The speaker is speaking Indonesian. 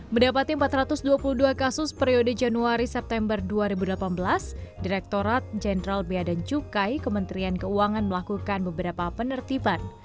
mendapati empat ratus dua puluh dua kasus periode januari september dua ribu delapan belas direkturat jenderal bea dan cukai kementerian keuangan melakukan beberapa penertiban